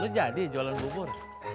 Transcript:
lu jadi jualan bubur